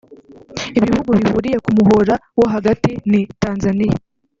Ibihugu bihuriye ku muhora wo hagati ni Tanzania